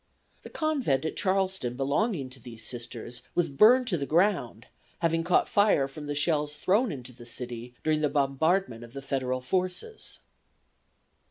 The Convent at Charleston belonging to these Sisters was burned to the ground, having caught fire from the shells thrown into the city during the bombardment of the Federal forces.